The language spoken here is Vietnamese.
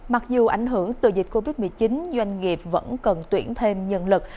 mặc dù ảnh hưởng từ dịch covid một mươi chín doanh nghiệp vẫn cần tuyển thêm nhân lực